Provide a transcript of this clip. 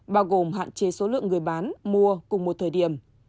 bao gồm hạn chế số lượng người bán mua cùng một thời điểm